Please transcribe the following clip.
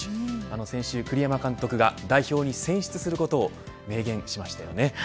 先週、栗山監督が代表に選出することを明言しましたよね。